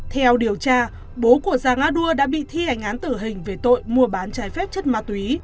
theo điều tra bố của giàng a đua đã bị thi hành án tử hình về tội mua bán trái phép chất ma túy